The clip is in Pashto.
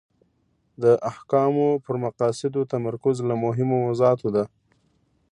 د احکامو پر مقاصدو تمرکز له مهمو موضوعاتو ده.